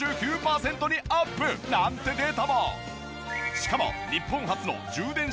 しかも。